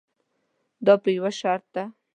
دا په یوه شرط ده.